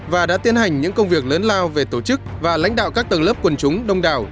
và đã tiến hành những công việc lớn lao về tổ chức và lãnh đạo các tầng lớp quần chúng đông đảo